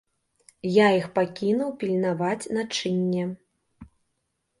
Я іх пакінуў пільнаваць начынне.